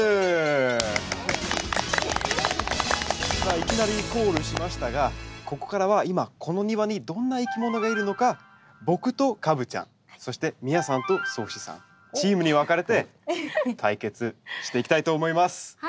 いきなりコールしましたがここからは今この庭にどんないきものがいるのか僕とカブちゃんそして美耶さんと蒼士さんチームに分かれて対決していきたいと思います。